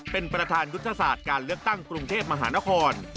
เป็นประธานยุทธศาสตร์การเลือกตั้งกรุงเทพมหานคร